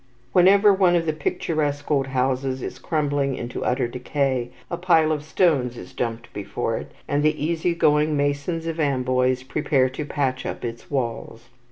Whenever one of the picturesque old houses is crumbling into utter decay, a pile of stone is dumped before it, and the easy going masons of Amboise prepare to patch up its walls.